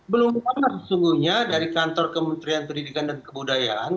belum pernah sesungguhnya dari kantor kementerian pendidikan dan kebudayaan